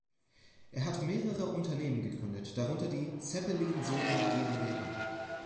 Er hat mehrere Unternehmen gegründet, darunter die "Zeppelin Solar GmbH".